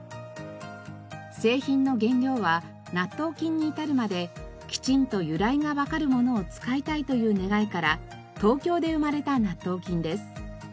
製品の原料は納豆菌に至るまできちんと由来がわかるものを使いたいという願いから東京で生まれた納豆菌です。